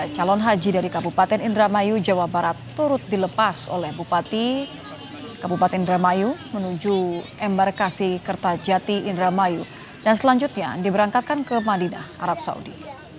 calon haji dari kabupaten indramayu jawa barat turut dilepas oleh bupati kabupaten indramayu menuju embarkasi kertajati indramayu dan selanjutnya diberangkatkan ke madinah arab saudi